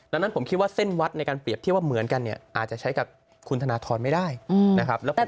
ดังนั้นผมคิดว่าเส้นวัดในการเปรียบเทียบว่าเหมือนกันเนี่ยอาจจะใช้กับคุณธนทรไม่ได้นะครับ